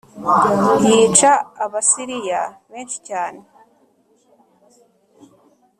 yica Abasiriya benshi cyane